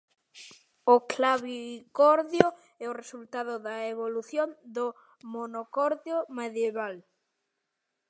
O clavicordio é o resultado da evolución do monocordio medieval.